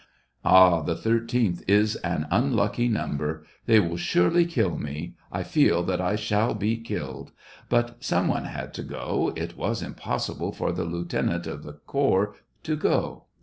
Ah, the thirteenth is an un lucky number. They will surely kill me, I feel that I shall be killed ; but some one had to go, it was impossible for the lieutenant of the corps to go.